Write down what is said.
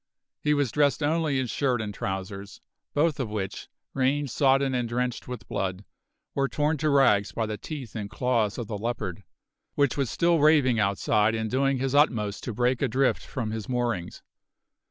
He was dressed only in shirt and trousers, both of which, rain sodden and drenched with blood, were torn to rags by the teeth and claws of the leopard, which was still raving outside and doing his utmost to break adrift from his moorings.